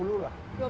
umur dua puluh lah